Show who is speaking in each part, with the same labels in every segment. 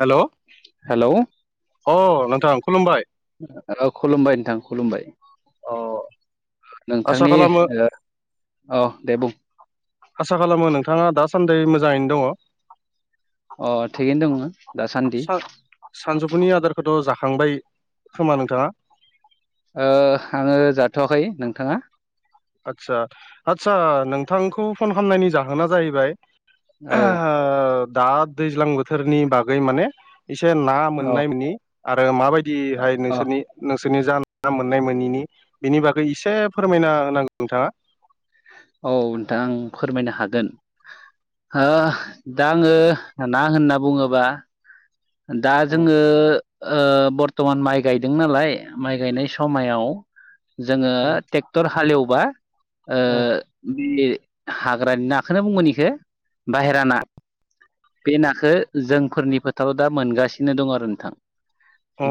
Speaker 1: हेल'
Speaker 2: hello
Speaker 1: अ नोंथां खुलुमबाय
Speaker 2: औ खुलुमबाय नोंथां खुलुमबाय।
Speaker 1: अ आसा
Speaker 2: नोंथांनि
Speaker 1: खालामो
Speaker 2: ओ‌ औ दे बुं
Speaker 1: आसा खालामो नोंथाङा दासान्दि मोजाङैनो दङ।
Speaker 2: अ थिगैनो दङ दासान्दि
Speaker 1: सा सानजौफुनि आदारखौथ' जा खांबाय खोमा नोंथाङा?
Speaker 2: ओ आङो जाथ'वाखै नोंथाङा
Speaker 1: आदसा आदसा नोंथांखौ फन खालामनायनि जाहोना जाहैबाय
Speaker 2: औ
Speaker 1: ओ दा दैज्लां बोथोरनि बागै माने एसे ना
Speaker 2: औ
Speaker 1: मोननाय मोननि आरो माबायदिहाय
Speaker 2: अ
Speaker 1: नोंसोरनि नों सोरनि जाब्रा मोननाय मोनैनि बेनि बागै एसे फोरमायना होनांगौ नोंथाङा।
Speaker 2: औ नोंथां आं फोरमायनो हागोन। ओ‌ दा आङो ना होनना बुङोबा दा
Speaker 1: उम
Speaker 2: जोङो ओ बर्थमान माइ गायदों नालाय माइ गायनाय समायाव जोङो
Speaker 1: उम
Speaker 2: ट्रेक्टर हालएवबा ओ बे हाग्रानि नाखौनो बुंगोन बेखो बाहेरा ना बे नाखो जोंफोरनि फोथाराव दा मोनगासिनो दं आरो नोंथां।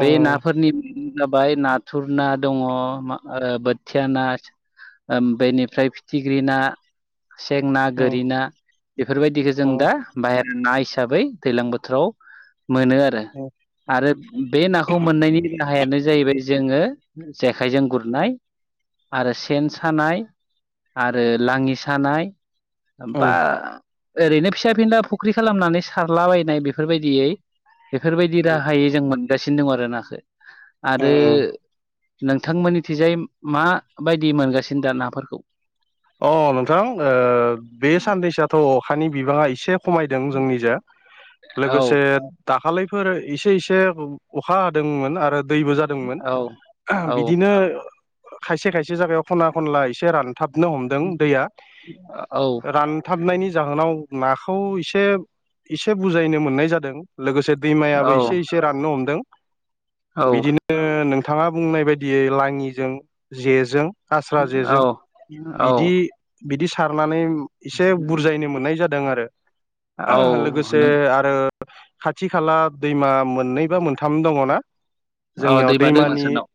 Speaker 2: बे नाफोरनि जाबाय नाथुर ना दङ ओ‌ बोथिया ना ओ बेनिफ्राय फिथिग्रि ना सें ना
Speaker 1: उम
Speaker 2: गोरि ना बेफोरबायदिखो जों
Speaker 1: उम
Speaker 2: दा बाहेर नि ना हिसाबै दैलां बोथोराव मोनो आरो
Speaker 1: उम
Speaker 2: आरो बे नाखौ मोननायनि राहायानो जाहैबाय जोङो जेखाइजों गुरनाय। आरो सेन सानाय आरो लाङि सानाय।
Speaker 1: उम
Speaker 2: होमबा ओरैनो फिसा फिनला फु ख्रि खालामनानै सारलाबायनाय बेफोरबायदियै बेफोरबायदि
Speaker 1: उम
Speaker 2: राहायै जों मोन गासिनो दं आरो नाखो आरो
Speaker 1: उम उम
Speaker 2: नोंथांमोननि थिजाय मा बायदि मोनगासिनो दा नाफोरखौ?
Speaker 1: अ नोंथां ओ बे साननैसोआथ' अखानि बिबाङा एसे खमायदों जोंनि जा
Speaker 2: औ
Speaker 1: लोगोसे दाखालै फोरो इसे इसे अखा हादोंमोन आरो दैबो जादोंमोन
Speaker 2: औ औ
Speaker 1: बिदिनो खायसे खायसे जायायाव खना खनला एसे रानथाब नो हमदों दैया
Speaker 2: औ
Speaker 1: रानथाबनायनि जाहोनाव नाखौ एसे एसे बुजायैनो मोननाय जादों लोगोसे
Speaker 2: औ
Speaker 1: दैमायाबो एसे एसे राननो हमदों बिदिनो नोंथाङा बुंनाय बायदियै लाङिजों जेजों आस्रा जेजों
Speaker 2: औ।
Speaker 1: बिदि बिदि सारनानै एसे बुरजायनो मोननाय जादों आरो
Speaker 2: औ
Speaker 1: लोगोसे
Speaker 2: नों
Speaker 1: आरो खाथि खाला दैमा मोननै बा मोनथाम दङ ना
Speaker 2: औ
Speaker 1: जोंनियाव
Speaker 2: दैमा दों
Speaker 1: दैमानि
Speaker 2: नोंसोरनाव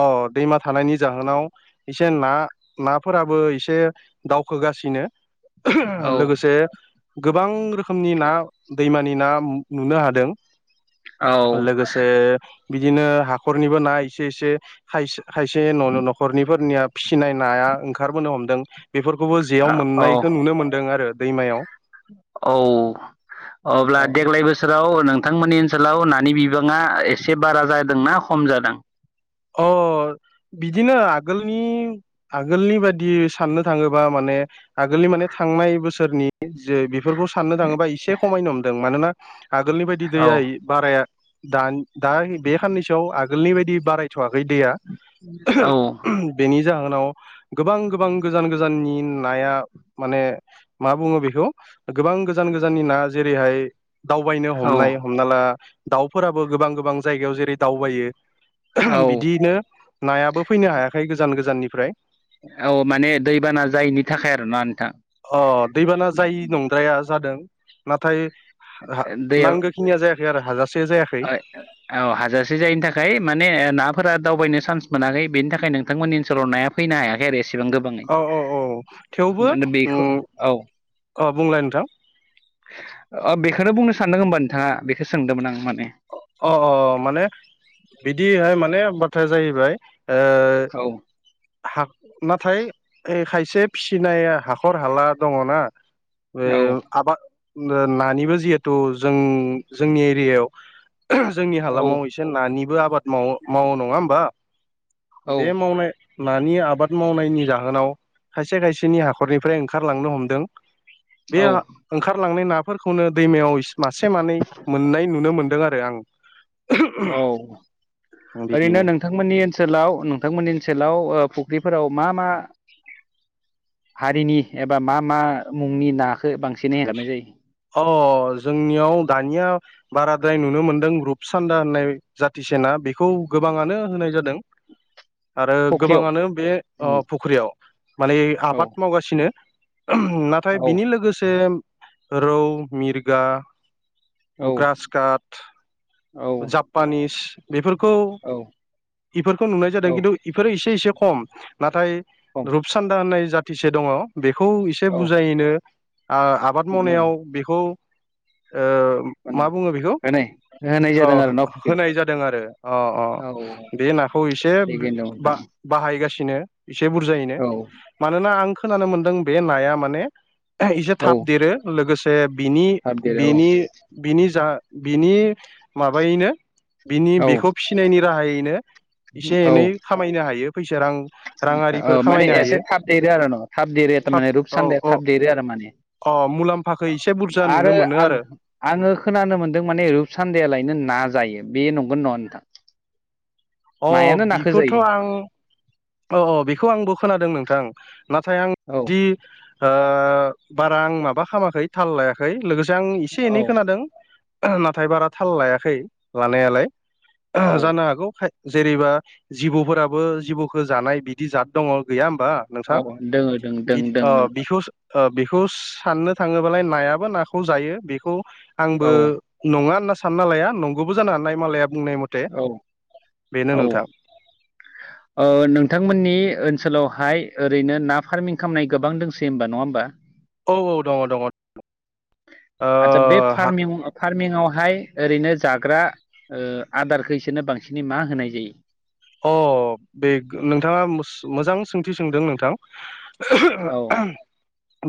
Speaker 1: अ दैमा थानायनि जाहोनाव एसे ना ना फोराबो एसे दावखोगासिनो
Speaker 2: औ
Speaker 1: लोगोसे गोबां रोखोमनि ना दैमानि ना नुनो हादों
Speaker 2: औ
Speaker 1: लोगोसे बिदिनो हाखरनिबो ना इसे इसे खायसे खायसे' नख'रनिफोरनिया फिसिनाय नाया ओंखारबोनो हमदों बेफोरखौबो जेयाव
Speaker 2: औ
Speaker 1: मोननायखो नुनो मोनदों आरो दैमायाव
Speaker 2: औ अब्ला
Speaker 1: अ
Speaker 2: देग्लाय बोसोराव नों नोंथांमोननि ओनसोलाव नानि बिबाङा एसे बारा जादोंना खम जादों?
Speaker 1: अ बिदिनो आगोलनि आगोलनि बायदि साननो थाङोबा माने आगोलनि माने थांनाय बोसोरनि जे बेफोरखौ साननो थाङोबा एसे खमायनो हमदों मानोना आगोलनि बायदि
Speaker 2: औ
Speaker 1: दैया बाराया दा दा बे खाननैसोआव आगोलनि बायदि बाराय दैया
Speaker 2: औ
Speaker 1: बेनि जाहोनाव गोबां गोबां गोजान गोजाननि नाया माने मा बुङो बेखौ गोबां गोजान गोजाननि ना जेरैहाय दावबायनो
Speaker 2: औ
Speaker 1: हमनाय हमना ला दाउफोराबो गोबां गोबां जायगायाव जेरै दावबायो
Speaker 2: औ
Speaker 1: बिदियैनो नायाबो फैनो हायाखै गोजान गोजाननिफ्राय
Speaker 2: औ माने दैबाना जायैनि थाखाय आरोना नोंथां
Speaker 1: अ दैबाना जायि नंद्राया जादों नाथाय
Speaker 2: दैयाव
Speaker 1: नांगौ खिनिया जायाखै आरो हाजासे जायाखै
Speaker 2: औ हाजासे जायिनि थाखाय माने ना फोरा दावबायनो चान्स मोनाखै बेनि थाखाय नोंथांमोननि ओनसोलाव नाया फैनो हायाखै आरो एसे
Speaker 1: औ औ औ थेवबो
Speaker 2: माने बेखौ
Speaker 1: उम।
Speaker 2: औ
Speaker 1: अ बुंलाय नोंथां
Speaker 2: बेखोनो बुंनो सानदों होमबा नोंथाङा बेखो सोंदोंमोन आं माने
Speaker 1: अ अ माने बिदि हाय माने बाथ्राया जाहैबाय ओ
Speaker 2: औ।
Speaker 1: हा नाथाय खायसे फिसिनाया हाखर हाला दङना बे आबाद नो नानिबो जिहेथु जों जोंनि एरियायाव जोंनि
Speaker 2: औ
Speaker 1: हालामाव एसे नानिबो आबाद मावो मावो नङा होमबा
Speaker 2: औ
Speaker 1: दे मावनाय नानि आबाद मावनायनि जाहोनाव खायसे खायसेनि हाखरनिफ्राय ओंखारलांनो हमदों। बे
Speaker 2: औ
Speaker 1: ओंखारलांनाय ना फोरखौनो दैमायाव मासे मानै मोननाय नुनो मोनदों आरो आं
Speaker 2: औ ओरैनो
Speaker 1: बिदिनो
Speaker 2: नोंथांमोननि ओनसोलाव नोंथांमोननि ओनसोलाव ओ फुख्रिफोराव मा मा हारिनि एबा मा मा मुंनि नाखौ बांसिनै हगारनाय जायो
Speaker 1: अ जोंनियाव दानिया बाराद्राय नुनो मोनदों रुप सान्दा होननाय जाथिसेना बेखौ गोबाङानो होनाय जादों आरो
Speaker 2: फुख्रियाव
Speaker 1: गोबाङानो बे ओ फुख्रियाव माने
Speaker 2: औ
Speaker 1: आबाद मावगासिनो ओहम नाथाय बिनि लोगोसे रौ मिरगा
Speaker 2: औ औ
Speaker 1: ग्रासकाप
Speaker 2: औ
Speaker 1: जापानिस बेफोरखौ
Speaker 2: औ
Speaker 1: इफोरखौ नुनाय जादों
Speaker 2: औ
Speaker 1: खिन्थु इफोरो एसे एसे खम नाथाय
Speaker 2: औ
Speaker 1: रुपसान्दा होननाय जाथिसो दङ बेखौ एसे
Speaker 2: औ
Speaker 1: बुजायैनो ओ आबाद
Speaker 2: मोन
Speaker 1: मावनायाव बेखौ ओ
Speaker 2: होनाय [unintelligible] [unintelligible]
Speaker 1: ओ
Speaker 2: न फुख्रियाव
Speaker 1: होनाय जादों आरो अ अ
Speaker 2: औ औ
Speaker 1: बे नाखौ एसे
Speaker 2: थिगैनो दं नोंथां
Speaker 1: बाह-बाहायगासिन नो एसे बुरजायैनो
Speaker 2: औ
Speaker 1: मानोना आं खोनानो मोनदों बे नाया माने एसे
Speaker 2: औ
Speaker 1: थाब देरो लोगोसे बिनि
Speaker 2: थाब देरो
Speaker 1: बिनि बिनि जा बिनि माबायैनो बिनि
Speaker 2: औ
Speaker 1: बेखौ फिसिनायनि राहायैनो एसे
Speaker 2: औ औ
Speaker 1: एनै खामायनो हायो फैसा रां
Speaker 2: औ
Speaker 1: राङारिफोर
Speaker 2: माने
Speaker 1: खामायनो
Speaker 2: एसे
Speaker 1: हायो
Speaker 2: थाब देरो आरो न थाब देरो
Speaker 1: थाब
Speaker 2: थारमाने
Speaker 1: औ
Speaker 2: रुपसान्दे
Speaker 1: औ
Speaker 2: थाब देरो आरो माने
Speaker 1: अ मुलाम्फाखौ एसे बुरजा
Speaker 2: आरो
Speaker 1: नुनो मोनो
Speaker 2: आं आङो खोनानो मोनदों माने रुप सान्देया लायनो ना जायो बे नंगोन नङा नोंथां
Speaker 1: अ
Speaker 2: नायानो नाखो
Speaker 1: बिखौथ'
Speaker 2: जायो
Speaker 1: आं औ औ बेखौ आंबो खोनादों नोंथां नाथाय आं
Speaker 2: औ
Speaker 1: दि ओ बारा आं माबा खालामाखै थाल लायाखै लोगोसे आं एसे एनै
Speaker 2: औ
Speaker 1: खोनादों ओह नाथाय बारा थाल लायाखै लानायालाय
Speaker 2: औ
Speaker 1: ओह जानो हागौ खाय जेरैबा जिबौफोराबो जिबौखौ जानाय बिदि जाद दङ गैया होमबा
Speaker 2: औ
Speaker 1: नोंथां
Speaker 2: दोङो दों दों
Speaker 1: बि
Speaker 2: दों नोंथां
Speaker 1: बिखौ ओ बेखौ साननो थाङोबालाय नायाबो नाखौ जायो बेखौ आंबो
Speaker 2: औ
Speaker 1: नङा होनना सानना लाया नंगौबो जानो हानाय मालाया बुंनाय मथे
Speaker 2: औ
Speaker 1: बेनो
Speaker 2: औ
Speaker 1: नोंथां
Speaker 2: ओ नो थांमोननि ओनसोलावहाय ओरैनो ना फार्मिं खालामनाय गोबां दंसै होमबा नङा होमबा!
Speaker 1: औ औ दङ दङ ओ
Speaker 2: आतच्चा बे
Speaker 1: हा
Speaker 2: फार्मिं फार्मिंआवहाय ओरैनो जाग्रा ओ आदारखौ इसोरनो बांसिनै मा होनाय जायो?
Speaker 1: अ बे नोंथाङा सो मोजां सोंथि सोंदों नोंथां।
Speaker 2: औ
Speaker 1: [unintelligible]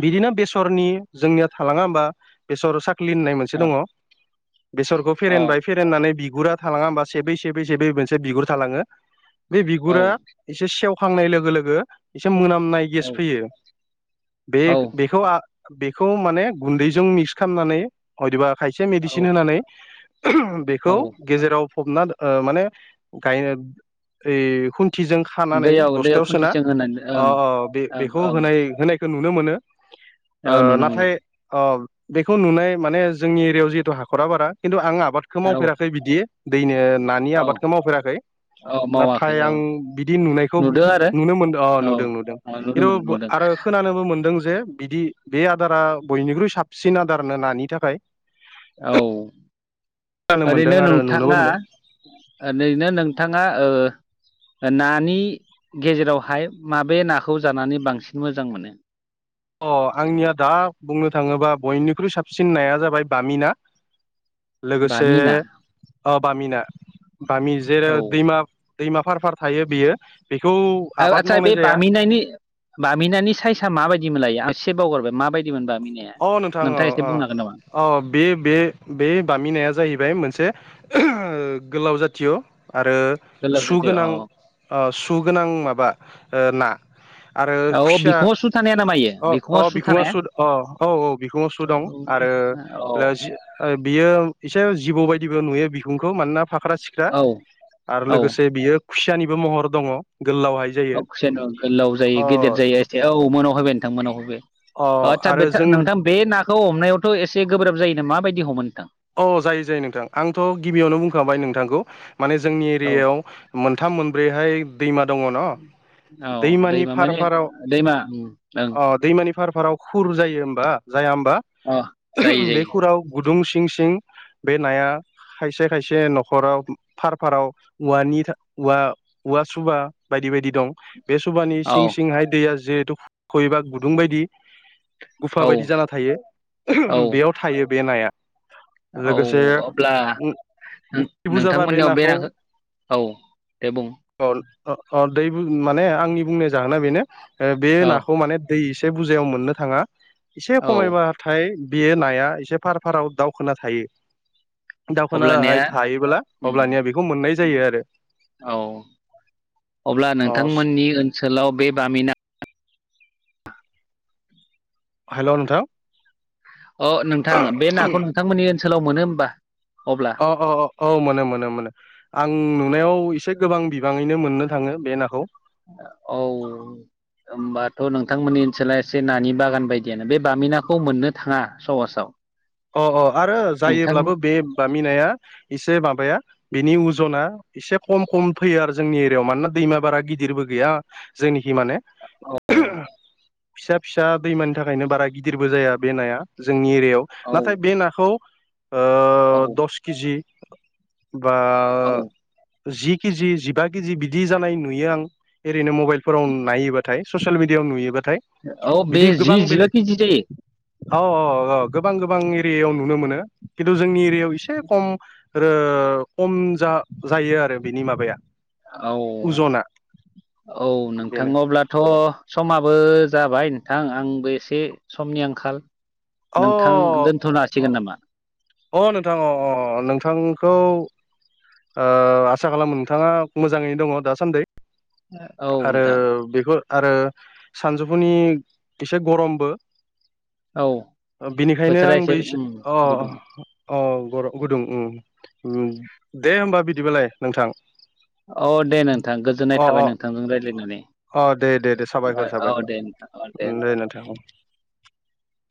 Speaker 1: बिदिनो बेसरनि जोंनिया थालांङा होमबा बेसर सा क्लिन होनाय मोनसे
Speaker 2: अ
Speaker 1: दङ बेसरखौ
Speaker 2: अ
Speaker 1: फेरेनबाय फेरेननानै बि गुरा थलाङा होमबा सेबै सेबै सेबै मोनसे बिगुर थालाङो बे
Speaker 2: औ
Speaker 1: बिगुरा एसे सेवखांनाय लोगो लोगो एसे मोनामनाय गेस
Speaker 2: औ
Speaker 1: फैयो बे
Speaker 2: औ
Speaker 1: बेखौ बेखौ माने गुन्दैजों मिक्स खालामनानै हयदबा खायसे मेडिसिन
Speaker 2: औ
Speaker 1: होनानै बेखौ
Speaker 2: औ
Speaker 1: गेजेराव फबना ओ माने गाय ओइ खुन थिजों खानानै
Speaker 2: दैयाव दैयाव
Speaker 1: बस्थायाव सोना
Speaker 2: खनसेसो होनानै ओं
Speaker 1: ओ
Speaker 2: ओं
Speaker 1: बेखौ
Speaker 2: ओं
Speaker 1: होनाय होनाय खो नुनो मोनो
Speaker 2: औ
Speaker 1: ओ
Speaker 2: नुनो मोनो
Speaker 1: नाथाय अ बेखौ नुनाय माने जोंनि एरियायाव जिहेतु हाखरा बारा खिन्थु आं आबादखौ
Speaker 2: औ
Speaker 1: मावफेराखै बिदि दैनो नानि
Speaker 2: औ
Speaker 1: आबादखौ मावफेराखै
Speaker 2: औ मावाखै
Speaker 1: नाथाय
Speaker 2: औ
Speaker 1: आं बिदि नुनायखौ
Speaker 2: नुदों आरो
Speaker 1: नुनो मोनदों अ
Speaker 2: औ
Speaker 1: नुदों नुदों
Speaker 2: औ नुनो
Speaker 1: खिन्थु
Speaker 2: मोन नुदों
Speaker 1: आरो खोनानोबो मोनदों जे बिदि बे आदारा बयनिख्रुइ साबसिन आदारनो नानि थाखाय
Speaker 2: औ
Speaker 1: खोनानो मोनदों
Speaker 2: ओरैनो
Speaker 1: आरो नुनोबो
Speaker 2: नोंथाङा
Speaker 1: मोनदों
Speaker 2: ओरैनो नोंथां ना ओ नानि गेजेरावहाय माबे नाखौ जानानै बांसिन मोजां मोनो
Speaker 1: अ आंनिया दा बुंनो थाङोबा बयनिख्रुइ साबसिन नाया जाबाय बामिना लोगोसे
Speaker 2: बामि ना
Speaker 1: अ बामिना बामि
Speaker 2: औ
Speaker 1: जेराव दैमा दैमा फार फार थायो बेयो बेखौ आबाद
Speaker 2: आथसा बे
Speaker 1: मावनाय जाया
Speaker 2: बामि नायनि बामिनानायनि साइसआ माबायदि मोनल एसे बावगारबाय माबायदि मोनबा
Speaker 1: अ नोंथां औ अ अ बे बे बे बामि नाया जाहैबाय मोनसे गोलाव जाथिय आरो
Speaker 2: गोलाव सैथो
Speaker 1: सुगोनां
Speaker 2: औ
Speaker 1: अ सुगोनां माबा ओ ना आरो
Speaker 2: औ
Speaker 1: खुसिया
Speaker 2: बिखुङाव सु थानाया नामा इयो
Speaker 1: अ अ
Speaker 2: बिखुङाव सु
Speaker 1: बिखङा
Speaker 2: थानाया
Speaker 1: सुद अ औ औ बिखुङाव सु दं आरो
Speaker 2: औ
Speaker 1: बियो एसे जिबौ बायदिबो नुयो बिखुंखौ मानोना फाख्रा सिख्रा
Speaker 2: औ
Speaker 1: आरो लोगोसे बियो खुसियानिबो महर दङ गोलावहाय
Speaker 2: अ
Speaker 1: जायो
Speaker 2: जेन गोलाव जायो
Speaker 1: अ
Speaker 2: गेदेर जायो एसे औ मोनाव हबाय नोंथां मोनाव फैबाय
Speaker 1: अ
Speaker 2: ओ
Speaker 1: आरो
Speaker 2: आथसा
Speaker 1: जों
Speaker 2: नोंथां बे नाखौ हमनायावथ एसे गोब्राब जायोनो माबायदि हमो नोंथां
Speaker 1: अ जायो जायो नोंथां आंथ गिबियावनो बुंखांबाय नोंथांखौ माने जोंनि
Speaker 2: औ
Speaker 1: एरियायाव मोनथाम मोनब्रैहाय दैमा दङ न
Speaker 2: औ
Speaker 1: दैमानि
Speaker 2: दैमा माने
Speaker 1: फारफाराव
Speaker 2: दैमा उम ओं
Speaker 1: अ दैमानि फारफाराव खुर जायो होमबा जाया होमबा
Speaker 2: अ जायो
Speaker 1: बे
Speaker 2: जायो
Speaker 1: खुराव गुदुं थिं बे नाया खायसे खायसे नखराव फार फाराव औवानि थां औवा सुबा बायदि बायदि दं बे सुबानि सिं
Speaker 2: औ
Speaker 1: सिंहाय दैया जिहेथु खहबा गुदुं बायदि गुफा बायदि
Speaker 2: औ
Speaker 1: जाना थायो
Speaker 2: औ
Speaker 1: बेयाव थायो बे नाया
Speaker 2: औ
Speaker 1: लोगोसे
Speaker 2: अब्ला नों
Speaker 1: बुरजाबा
Speaker 2: नोंथांमोननियाव बे
Speaker 1: नाखौ
Speaker 2: नाखो औ दे बुं
Speaker 1: अ अ दै माने आंनि बुंनाय जाहोना बेनो बे
Speaker 2: औ
Speaker 1: नाखौ माने दै एसे बुरजायाव मोननो थाङा एसे
Speaker 2: औ
Speaker 1: खमायबाथाय बेयो नाया एसे फार फाराव दाउ खोना थायो दावखोनाहाय
Speaker 2: अब्लानिया
Speaker 1: थायोब्ला
Speaker 2: उम
Speaker 1: अब्लानिया बेखौ मोननाय जायो आरो
Speaker 2: औ अब्ला
Speaker 1: अ
Speaker 2: नोंथांमोननि ओनसोलाव बे बामिना
Speaker 1: हेलौ नोंथां
Speaker 2: अ नोंथां बे नाखौ नोंथांमोननि ओनसोलाव मोनो होमबा अब्ला
Speaker 1: अ अ अ औ मोनो मोनो मोनो आं ओं नुनायाव एसे गोबां बिबाङैनो मोननो थाङो बे नाखौ
Speaker 2: ओ औ होमबाथ नोंथांमोननि ओनसोला एसे नानि बागान बायदियानो बे बामिनाखौ मोननो थाङा सहसाव
Speaker 1: अ अ आरो
Speaker 2: नोंथां
Speaker 1: जायोब्लाबो बे बामिनाया एसे माबाया बिनि उजना एसे खम खम फैयो आरो जोंनि एरियायाव मानोना दैमा बारा गिदिरबो गैया जोंनि हि माने
Speaker 2: औ
Speaker 1: फिसा फिसा दैमानि थाखायनो बारा गिदिरबो जाया बे नाया जोंनि एरियायाव नाथाय बे
Speaker 2: औ
Speaker 1: नाखौ ओ
Speaker 2: औ
Speaker 1: दस किजि बा
Speaker 2: औ
Speaker 1: जि किजि जिबा किजि बिदि जानाय नुयो आं ओरैनो मबाइलाव नायोबाथाय ससेेल मिडियाआव नुयोबा थाय
Speaker 2: औ बे
Speaker 1: बिदि
Speaker 2: जि
Speaker 1: गोबां
Speaker 2: जिबा
Speaker 1: बेले
Speaker 2: केजि जायो
Speaker 1: औ औ औ गोबां गोबां गोबां एरियायाव नुनो मोनो खिन्थु जोंनि एरियायाव एसे खम ओ खम जा जायो आरो बिनि माबाया
Speaker 2: औ
Speaker 1: अजना
Speaker 2: औ नोंथां
Speaker 1: बेनो
Speaker 2: अब्लाथ' समा बो जाबाय नोंथां आंबो एसे समनि आंखाल
Speaker 1: अ
Speaker 2: नोंथां दोनथ'नो हासिगोन नामा
Speaker 1: अ नोंथां अ अ नोंथांखौ ओ आसा खालामो नोंथाङा मोजाङैनो दङ दासान्दै
Speaker 2: औ
Speaker 1: आरो
Speaker 2: नोंथां
Speaker 1: बेफोर आरो सानजौफुनि एसे ग'रमबो
Speaker 2: औ
Speaker 1: बेनिखायनो
Speaker 2: बोथोरा एसे
Speaker 1: आंबो इस
Speaker 2: उम
Speaker 1: अ
Speaker 2: गुदुं
Speaker 1: औ बर'उ गुदुं दे होमबा बिदिबालाय नोंथां
Speaker 2: अ दे नोंथां गोजोननाय
Speaker 1: अ अ
Speaker 2: थाबाय नोंथांजों रायलायनानै
Speaker 1: अ दे दे दे साबायखर साबायखर
Speaker 2: दे नोंथां औ
Speaker 1: दे नोंथां [unintelligible]